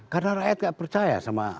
karena rakyat tidak percaya sama